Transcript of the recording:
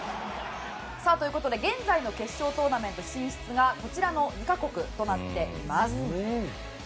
現在の決勝トーナメント進出がこちらの２か国となっています。